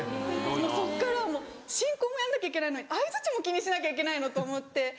もうそっから進行もやんなきゃいけないのに相づちも気にしなきゃいけないの？と思って。